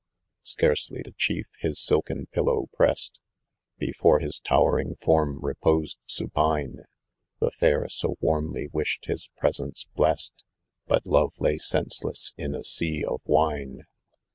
Scarcely the chief his silken pillow prest, Before his towering form reposed supine ; The fair so warmly wished his presence blest, But lore lay senseless in a sea of wine.